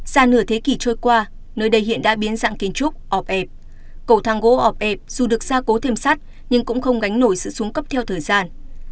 xa nửa thế kỷ trôi qua nơi đây hiện đã biến dạng kiến trúc ọp cầu thang gỗ ọp dù được gia cố thêm sắt nhưng cũng không gánh nổi sự xuống cấp theo thời gian